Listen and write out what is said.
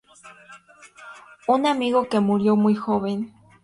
Un amigo que murió muy joven".